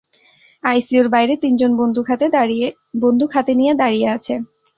আইসিইউর বাইরে তিনজন বন্দুক হাতে নিয়ে দাড়িয়ে আছে।